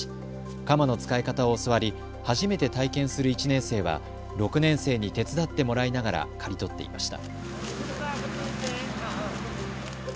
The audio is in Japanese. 鎌の使い方を教わり初めて体験する１年生は６年生に手伝ってもらいながら刈り取っていました。